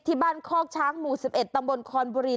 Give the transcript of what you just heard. ที่บ้านคอกช้างหมู่๑๑ตำบลคอนบุรี